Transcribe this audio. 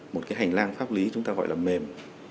một cái hành lang pháp lý chúng ta gọi là mềm